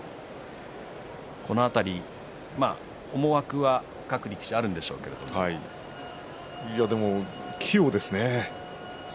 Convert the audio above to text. この辺り、思惑は各力士いや、でも器用ですね。